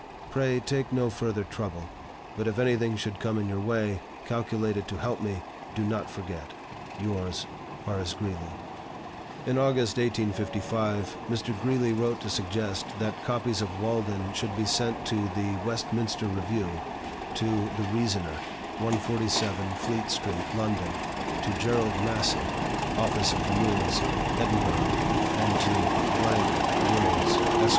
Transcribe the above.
Pray take no further trouble; but if anything should come in your way, calculated to help me, do not forget. "Yours, "HORACE GREELEY." In August, 1855, Mr. Greeley wrote to suggest that copies of "Walden" should be sent to the "Westminster Review," to "The Reasoner," 147 Fleet Street, London, to Gerald Massey, office of the "News," Edinburgh, and to " Wills, Esq.